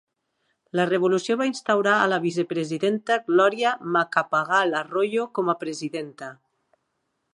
La revolució va instaurar a la vicepresidenta Gloria Macapagal-Arroyo com a presidenta.